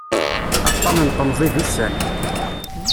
Aṭṭan n temẓi d ussan.